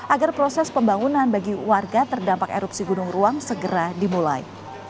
agar proses pembangunan bagi warga terdampak erupsi gunung ruang segera dimulai